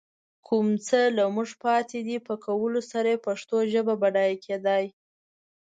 کوم څه له موږ پاتې دي، په کولو سره يې پښتو ژبه بډايه کېدای